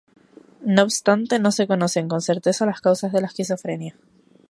No obstante, no se conocen con certeza las causas de la esquizofrenia.